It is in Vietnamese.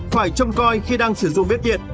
phải trông coi khi đang sử dụng viết điện